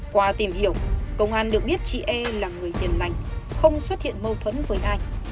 qua tìm hiểu công an được biết chị e là người tiền lành không xuất hiện mâu thuẫn với anh